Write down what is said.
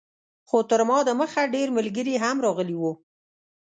خو تر ما دمخه ډېر ملګري هم راغلي وو.